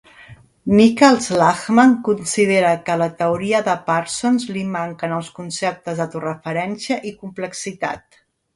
Niklas Luhmann considera que a la teoria de Parsons li manquen els conceptes d'autoreferència i complexitat.